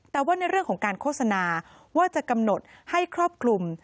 แต่ว่าในเรื่องของการโฆษณาว่าจะกำหนดให้ครอบคลุม